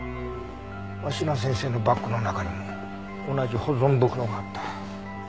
芦名先生のバッグの中にも同じ保存袋があった。